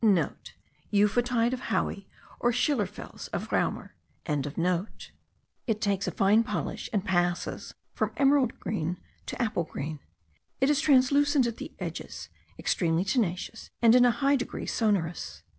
*(* Euphotide of Hauy, or schillerfels, of Raumer.) It takes a fine polish, and passes from apple green to emerald green; it is translucent at the edges, extremely tenacious, and in a high degree sonorous.